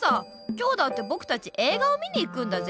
今日だってぼくたち映画を見に行くんだぜ？